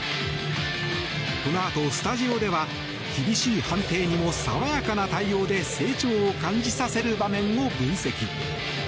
このあとスタジオでは厳しい判定にも、爽やかな対応で成長を感じさせる場面を分析。